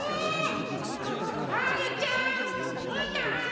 ・はるちゃんうーたん！